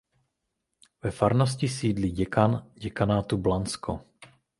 Ve farnosti sídlí děkan Děkanátu Blansko.